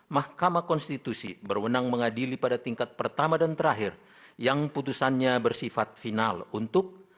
mahkamah konstitusi berwenang mengadili pada tingkat pertama dan terakhir yang putusannya bersifat final untuk